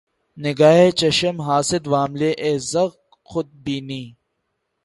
نگاۂ چشم حاسد وام لے اے ذوق خود بینی